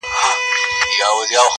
پسرلیه نن دي رنګ د خزان راوی،